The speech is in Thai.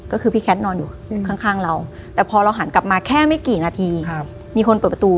ก็คือพี่แคทนอนอยู่ข้างเราแต่พอเราหันกลับมาแค่ไม่กี่นาทีมีคนเปิดประตู